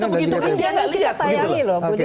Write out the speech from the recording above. nah jangan kita tayangi loh budi